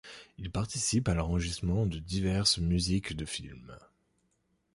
Il participe à l'enregistrement de diverses musiques de films.